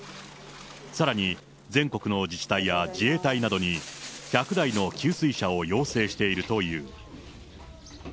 さらに全国の自治体や自衛隊などに、１００台の給水車を要請しているという。